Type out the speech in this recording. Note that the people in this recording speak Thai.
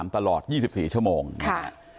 ตลอด๒๔ชั่วโมงค่ะ